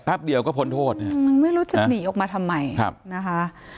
แป๊บเดียวก็พ้นโทษอื้อไม่รู้จะหนีออกมาทำไมครับนะคะ